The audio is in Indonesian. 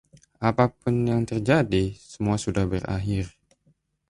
Apapun yang terjadi, semuanya sudah berakhir.